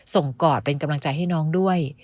กอดเป็นกำลังใจให้น้องด้วย